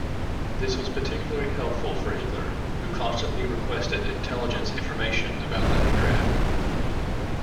This was particularly helpful for Hitler, who constantly requested intelligence information about Leningrad.